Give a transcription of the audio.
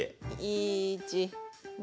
１２。